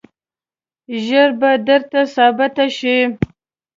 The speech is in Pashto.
ژر به درته ثابته شي.